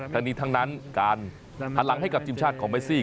ทั้งนี้ทั้งนั้นการหันหลังให้กับทีมชาติของเมซี่